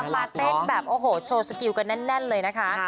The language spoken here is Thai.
มาเต้นแบบโอ้โหโชว์สกิลกันแน่นเลยนะคะ